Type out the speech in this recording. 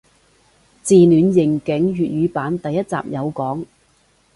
自戀刑警粵語版第一集有講